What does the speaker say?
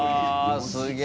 あ、すげえ。